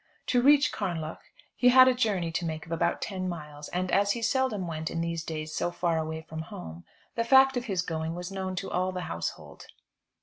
To reach Carnlough he had a journey to make of about ten miles, and as he seldom went, in these days, so far away from home, the fact of his going was known to all the household.